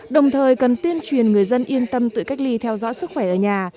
đồng thời cần tuyên truyền người dân yên tâm tự cách ly theo dõi sức khỏe ở nhà